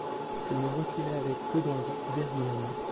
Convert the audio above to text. Je me retirai avec peu d'envie d'Hermione.